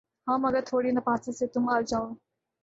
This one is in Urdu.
ہاں مگر تھوڑی نفاست سے تُم آؤجاؤ